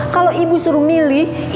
kalau ibu suruh milih ibu akan melahirkan